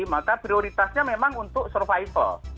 maka prioritasnya memang untuk survival